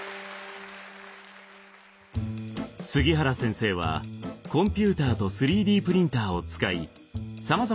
杉原先生はコンピューターと３Ｄプリンターを使いさまざまな錯視アートを作り続けました。